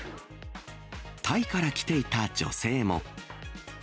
タイから来ていた女性も。